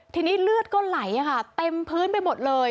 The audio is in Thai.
ทีนี้เลือดก็ไหลค่ะเต็มพื้นไปหมดเลย